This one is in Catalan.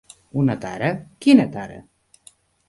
Una tara... Quina tara?